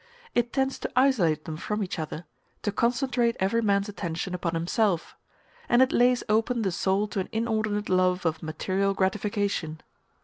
It tends to isolate them from each other, to concentrate every man's attention upon himself; and it lays open the soul to an inordinate love of material gratification.